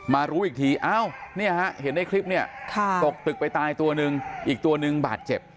รู้อีกทีอ้าวเนี่ยฮะเห็นในคลิปเนี่ยตกตึกไปตายตัวหนึ่งอีกตัวนึงบาดเจ็บ